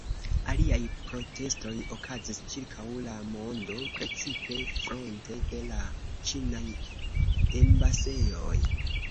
Aliaj protestoj okazis ĉirkaŭ la mondo, precipe fronte de la ĉinaj embasejoj.